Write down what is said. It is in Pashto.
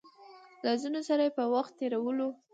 له ځينو سره يې په وخت تېرولو